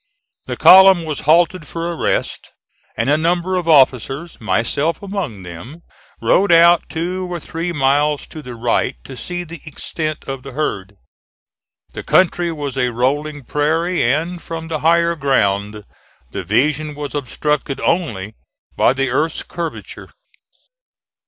The column was halted for a rest, and a number of officers, myself among them, rode out two or three miles to the right to see the extent of the herd. The country was a rolling prairie, and, from the higher ground, the vision was obstructed only by the earth's curvature.